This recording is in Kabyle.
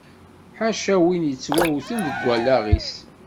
Ḥaca win yettwawten deg allaɣ-is.